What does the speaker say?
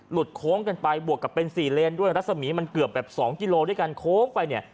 โค้งกันไปบวกกับเป็น๔เลนด้วยรัศมีร์มันเกือบแบบ๒กิโลด้วยกันโค้งไปเนี่ย